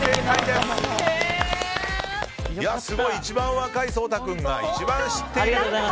すごい、一番若い颯太君が一番知っている。